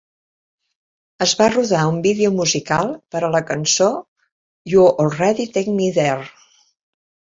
Es va rodar un vídeo musical per a la cançó "You already Take Me There".